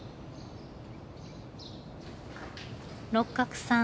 六角さん